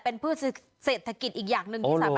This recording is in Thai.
เป็นพืชเศรษฐกิจอีกอย่างหนึ่ง